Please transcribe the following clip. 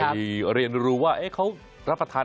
ไปเรียนรู้ว่าเอ๊ะเขารับประทาน